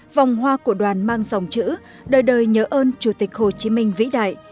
vòng hoa của đoàn mang dòng chữ đời đời nhớ ơn chủ tịch hồ chí minh vĩ đại